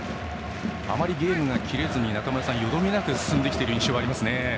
あまりゲームが切れずによどみなく進んできている印象ですね。